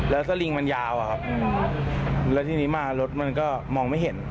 แล้วสลิงก็ยาวน่ะที่นี่มารถมันก็มองไม่เห็น